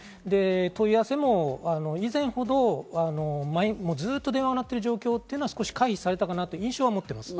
問い合わせも以前ほどずっと電話が鳴っている状況というのは回避されたかなという印象は持っています。